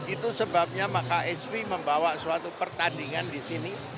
itu sebabnya maka hwi membawa suatu pertandingan di sini